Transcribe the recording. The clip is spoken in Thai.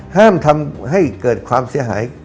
ห้ามทำให้เกิดความเสียหาย